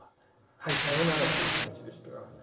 はいさようならという気持ちでしたから。